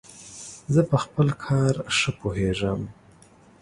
زه په خپل کار ښه پوهیژم.